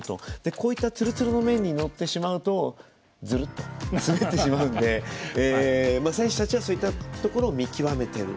こういったツルツルの面に乗ってしますとずるっと滑ってしまうので選手たちはそういったところを見極めている。